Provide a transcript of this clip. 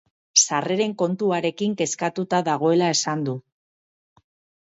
Sarreren kontuarekin kezkatuta dagoela esan du.